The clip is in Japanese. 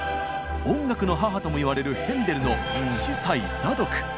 「音楽の母」ともいわれるヘンデルの「司祭ザドク」。